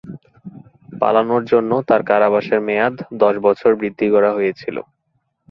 পালানোর জন্য তার কারাবাসের মেয়াদ দশ বছর বৃদ্ধি করা হয়েছিল।